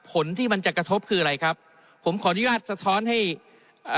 ผลที่มันจะกระทบคืออะไรครับผมขออนุญาตสะท้อนให้เอ่อ